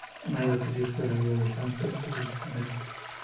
No hay datos ciertos de la vida del santo, y toda es legendaria.